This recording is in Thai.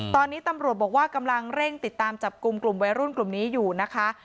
ตอนนี้ตำรวจบอกว่ากำลังเร่งติดตามจับกลุ่มกลุ่มวัยรุ่นกลุ่มนี้อยู่นะคะ